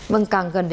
vâng càng gần đây